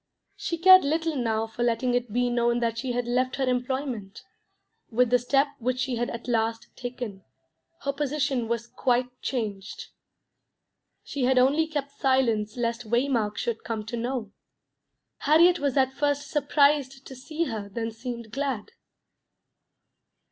She cared little now for letting it be known that she had left her employment; with the step which she had at last taken, her position was quite changed; she had only kept silence lest Waymark should come to know. Harriet was at first surprised to see her then seemed glad.